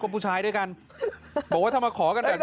เป็นผู้ชายด้วยกันบอกว่าถ้ามาขอกันแบบนี้